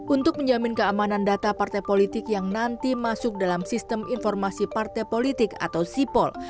untuk menjamin keamanan data partai politik yang nanti masuk dalam sistem informasi partai politik atau sipol